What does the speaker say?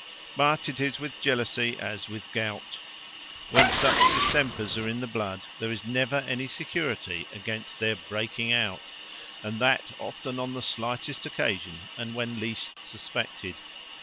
But it is with jealousy as with the gout: when such distempers are in the blood, there is never any security against their breaking out; and that often on the slightest occasions, and when least suspected.